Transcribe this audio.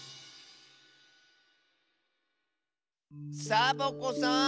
サボ子さん